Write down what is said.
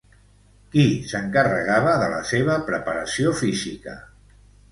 Qui s'encarregava de la seva preparació física?